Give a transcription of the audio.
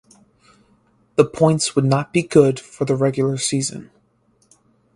The points would not be good for the regular season.